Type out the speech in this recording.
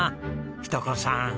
日登子さん